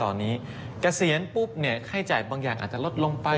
ตอนนี้เกษียณปุ๊บค่าจ่ายบางอย่างอาจจะลดลงไป